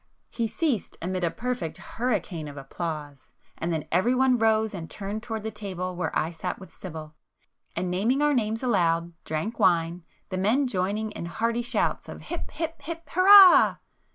[p 284]He ceased amid a perfect hurricane of applause,—and then everyone rose and turned towards the table where I sat with Sibyl, and naming our names aloud, drank wine, the men joining in hearty shouts of "Hip, hip, hip hurrah!"